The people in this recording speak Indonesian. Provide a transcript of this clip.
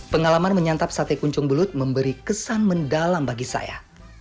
pengalaman menyantap sate kuncung belut memberi kesan mendalam bagi saya